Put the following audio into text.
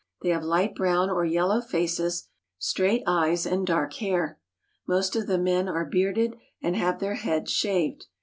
They have light brown or yellow faces, straight eyes, and dark hair. Most of the men are bearded, and have their heads shaved.